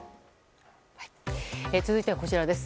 続いてはこちらです。